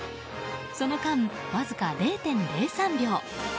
その間わずか０．０３秒。